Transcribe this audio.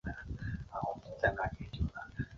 模式种是诺瓦斯颜地龙为名。